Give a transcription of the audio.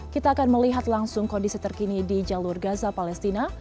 kita akan melihat langsung kondisi terkini di jalur gaza palestina